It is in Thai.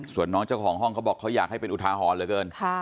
ส่วนน้องเจ้าของห้องเขาบอกเขาอยากให้เป็นอุทาหรณ์เหลือเกิน